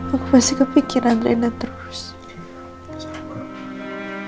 aku pasti kepikiran rena terus